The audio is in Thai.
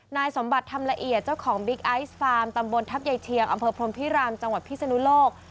นายสมบัติทำละเอียดเจ้าของบิ๊กไอซ์ฟาร์มตำบลทัพยายเชียงอำเภอพรมพิรามจังหวัดพิศนุโลก